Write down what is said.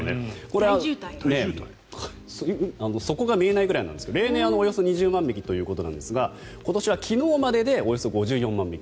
これは底が見えないぐらいなんですが例年およそ２０万匹ということですが今年は昨日まででおよそ５４万匹。